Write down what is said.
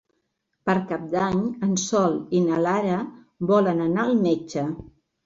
Per Cap d'Any en Sol i na Lara volen anar al metge.